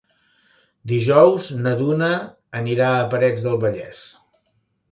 Dijous na Duna anirà a Parets del Vallès.